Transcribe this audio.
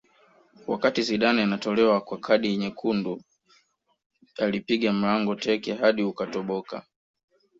wakati zidane anatolewa kwa kadi nyekundu alipiga mlango teke hadi ukatoboka